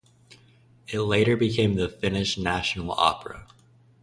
It later became the Finnish National Opera.